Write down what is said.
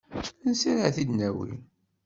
Ansi ara t-id-nawi?